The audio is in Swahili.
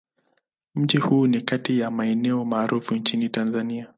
Mji huu ni kati ya maeneo maarufu nchini Tanzania.